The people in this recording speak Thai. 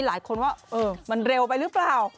หลายคนว่าเออมันเร็วไปหรือเปล่า